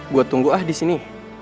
gue tunggu ah disini